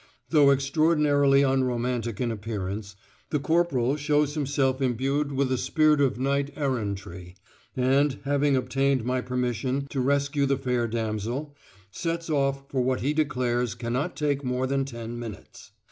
Though extraordinarily unromantic in appearance, the corporal shows himself imbued with a spirit of knight errantry, and, having obtained my permission to rescue the fair damsel, sets off for what he declares cannot take more than ten minutes.